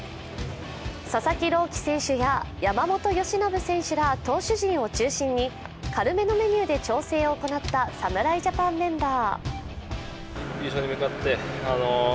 佐々木朗希選手や山本由伸選手ら投手陣を中心に軽めのメニューで調整を行った侍ジャパンメンバー。